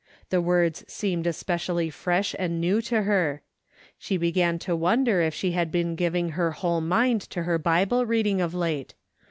The words seemed especially fresh and new to her. She began to wonder if she had been giving her whole mind to her Bible reading of late.